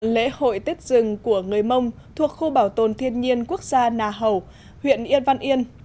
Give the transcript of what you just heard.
lễ hội tết dừng của người mông thuộc khu bảo tồn thiên nhiên quốc gia nà hầu huyện yên văn yên